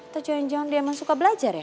tujuan jong dia emang suka belajar ya